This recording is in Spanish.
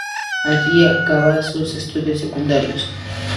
Allí acaba sus estudios secundarios.